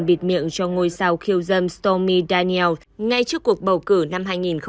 bịt miệng cho ngôi sao khiêu dâm stomi daniel ngay trước cuộc bầu cử năm hai nghìn một mươi sáu